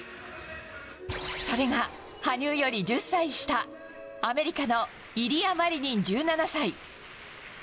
それが羽生より１０歳下、アメリカのイリア・マリニン１７歳。